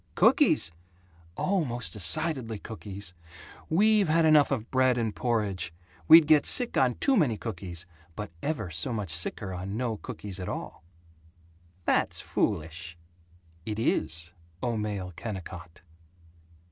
"Cookies? Oh, most decidedly cookies. We've had enough of bread and porridge. We'd get sick on too many cookies, but ever so much sicker on no cookies at all." "That's foolish." "It is, O male Kennicott!"